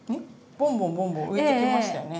ボンボンボンボン浮いてきましたよね。